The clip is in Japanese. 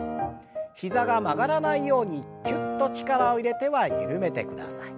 膝が曲がらないようにきゅっと力を入れては緩めてください。